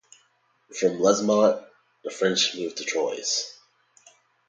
From Lesmont, the French moved to Troyes.